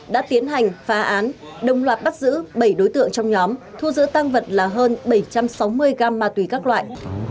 đã tiến hành phá án đồng loạt bắt giữ bảy đối tượng trong nhóm thu giữ tăng vật là hơn bảy trăm sáu mươi gram ma túy các loại